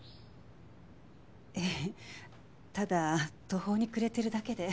ええただ途方に暮れてるだけで。